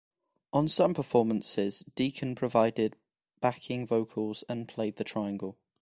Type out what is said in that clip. On some performances Deacon provided backing vocals and played the triangle.